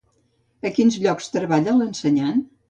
A quins llocs treballa l'ensenyant?